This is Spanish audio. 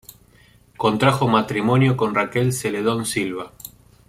Contrajo matrimonio con Raquel Celedón Silva.